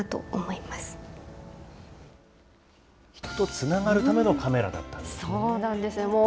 人とつながるためのカメラだったんですね。